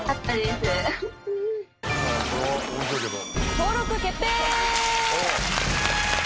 登録決定！